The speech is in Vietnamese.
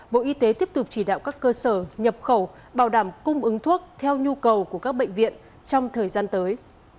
bộ y tế tiếp tục chỉ đạo các cơ sở nhập khẩu bảo đảm cung ứng thuốc theo nhu cầu của các bệnh viện trong thời gian tới